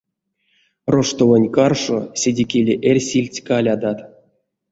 Роштовань каршо седикеле эрсильть калядат.